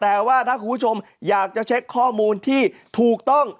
แต่ว่าถ้าคุณผู้ชมอยากจะเช็คข้อมูลที่ถูกต้อง